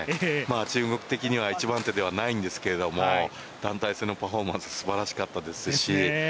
中国的には一番手ではないんですけど団体戦のパフォーマンスすばらしかったですし。